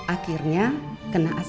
akhirnya kena asam lambung